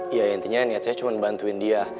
ya intinya niat saya cuma bantuin dia